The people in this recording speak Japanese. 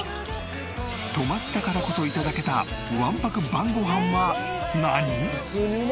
泊まったからこそ頂けた１泊晩ご飯は何？